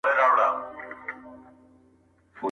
پورته ډولک، کښته چولک.